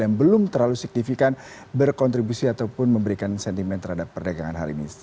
yang belum terlalu signifikan berkontribusi ataupun memberikan sentimen terhadap perdagangan hari ini